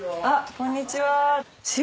こんにちは。